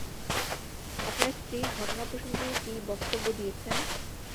আপনার স্ত্রী ঘটনা প্রসঙ্গে কী বক্তব্য দিয়েছেন?